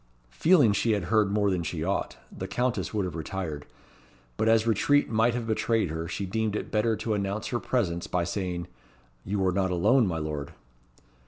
Feeling she had heard more than she ought, the Countess would have retired; but as retreat might have betrayed her, she deemed it better to announce her presence by saying, "You are not alone, my Lord."